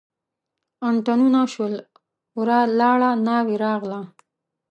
اتڼونه شول ورا لاړه ناوې راغله.